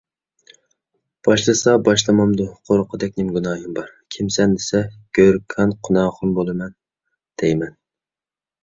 باشلىسا باشلىمامدۇ، قورققۇدەك نېمە گۇناھىم بار. «كىمسەن؟» دېسە، «گۆركار قۇناخۇن بولىمەن» دەيمەن...